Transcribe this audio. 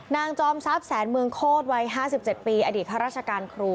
จอมทรัพย์แสนเมืองโคตรวัย๕๗ปีอดีตข้าราชการครู